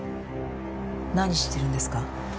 何してるんですか？